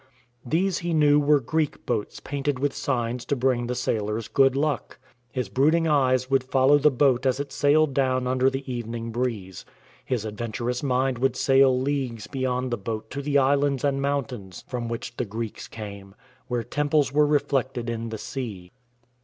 These he knew were Greek boats painted with signs to bring the sailors good luck. His brooding eyes would follow the boat as it sailed down under the evening breeze. His adventurous mind would sail leagues beyond the boat to the islands and mountains from which the Greeks came; where temples were reflected in the sea.